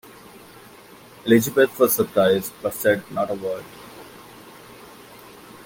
Elizabeth was surprised, but said not a word.